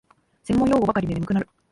専門用語ばかりで眠くなる